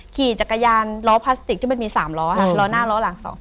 ขี่จักรยานล้อพลาสติกที่มันมี๓ล้อค่ะล้อหน้าล้อหลัง๒